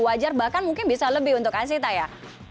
wajar bahkan mungkin bisa lebih untuk asita ya